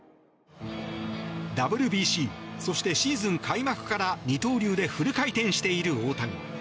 ＷＢＣ、そしてシーズン開幕から二刀流でフル回転している大谷。